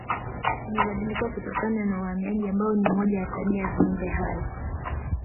Imebadilika kutokana na uhamaji ambao ni moja ya tabia ya viumbe hai